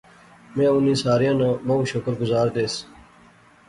میں انیں ساریاں نا بہوں شکر گزار دیس